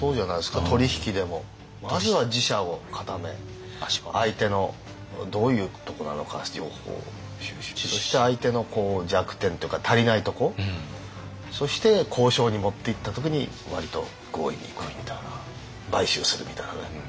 まずは自社を固め相手のどういうとこなのか情報を収集しそして相手の弱点というか足りないとこそして交渉に持っていった時に割と強引にいくみたいな買収するみたいなね。